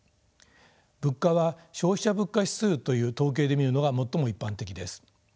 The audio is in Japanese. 物価は消費者物価指数という統計で見るのが最も一般的です。